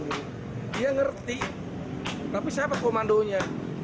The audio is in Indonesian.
dia ngerti tapi siapa komandonya